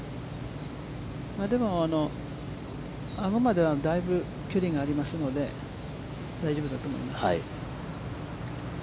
でも、アゴまでは大分、距離がありますので、大丈夫だと思います。